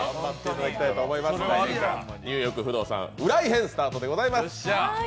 ニューヨーク不動産浦井編、スタートでございます。